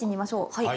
はい。